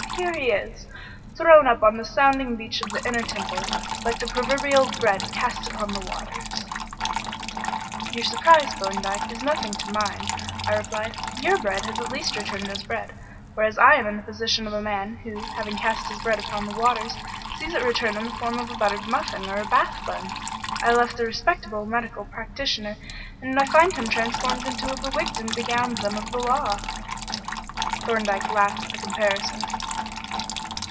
here he is, thrown up on the sounding beach of the Inner Temple, like the proverbial bread cast upon the waters." "Your surprise, Thorndyke, is nothing to mine," I replied, "for your bread has at least returned as bread; whereas I am in the position of a man who, having cast his bread upon the waters, sees it return in the form of a buttered muffin or a Bath bun. I left a respectable medical practitioner and I find him transformed into a bewigged and begowned limb of the law." Thorndyke laughed at the comparison.